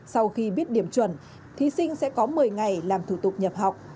sau khi biết điểm chuẩn thí sinh sẽ có một mươi ngày làm thủ tục nhập học